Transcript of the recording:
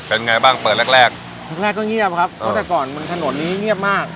เป็นไงบ้างเปิดแรกแรกก็เงียบครับเพราะแต่ก่อนมันถนนนี้เงียบมาก